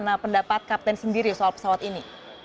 bagaimana menurut anda pesawat kapten sendiri soal pesawat ini